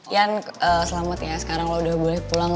ian selamat ya sekarang lo udah boleh pulang